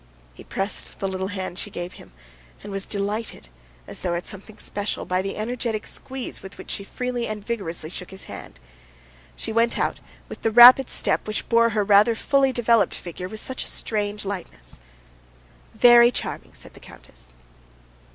He pressed the little hand she gave him, and was delighted, as though at something special, by the energetic squeeze with which she freely and vigorously shook his hand. She went out with the rapid step which bore her rather fully developed figure with such strange lightness. "Very charming," said the countess.